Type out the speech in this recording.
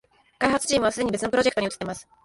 開発チームはすでに別のプロジェクトに移ってます